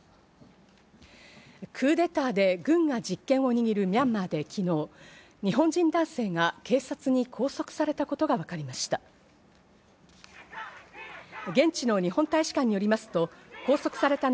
クーデターで軍が実権を握るミャンマーで昨日、日本人男性が警察に拘束されたことがわかりました。